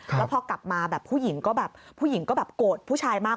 แล้วพอกลับมาผู้หญิงก็แบบโกรธผู้ชายมาก